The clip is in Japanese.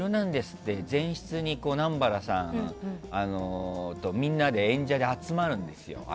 って前室に南原さんとみんなで演者で集まるんですよ。